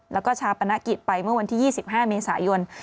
แล้วก็ชาปนกิจไปเมื่อวันที่๒๕เมษายน